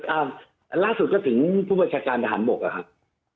อันล่าสุดก็ถึงผู้บัญชาการทหารบกอะครับ